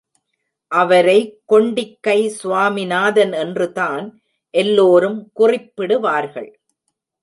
அவரை கொண்டிக் கை சுவாமிநாதன் என்றுதான் எல்லோரும் குறிப்பிடுவார்கள்.